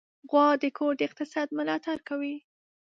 غوا د کور د اقتصاد ملاتړ کوي.